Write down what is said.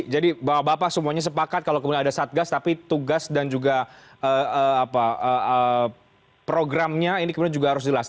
jadi bapak semuanya sepakat kalau kemudian ada satgas tapi tugas dan programnya ini kemudian juga harus jelas